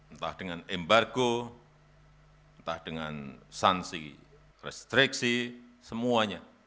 entah dengan embargo entah dengan sanksi restriksi semuanya